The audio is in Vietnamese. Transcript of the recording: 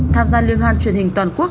tham gia liên hoan truyền hình toàn quốc